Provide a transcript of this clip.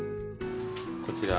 こちら。